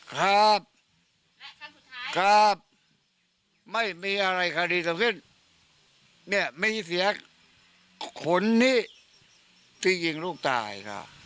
ครับครับไม่มีอะไรคดีทำขึ้นเนี้ยมีเสียหลุนนี่ที่ยิงลูกตายค่ะ